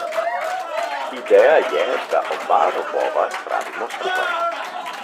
Ideja je, da oba robova spravimo skupaj.